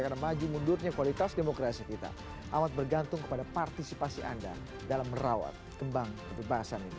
karena maju mundurnya kualitas demokrasi kita amat bergantung kepada partisipasi anda dalam merawat kembang dan perbahasan ini